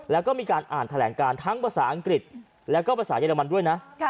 แล้วก็มีการอ่านแถลงการทั้งภาษาอังกฤษแล้วก็ภาษาเยอรมันด้วยนะ